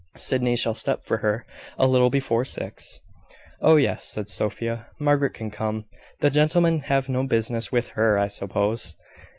Sydney shall step for her, a little before six." "Oh, yes," said Sophia; "Margaret can come. The gentleman can have no business with her, I suppose."